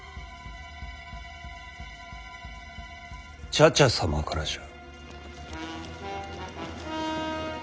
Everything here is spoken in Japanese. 茶々様からじゃ。